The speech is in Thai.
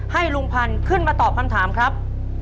ให้ลุงพันธุ์ขึ้นมาตอบคำถามครับ